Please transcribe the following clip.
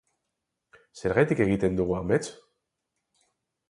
Zergatik egiten dugu amets?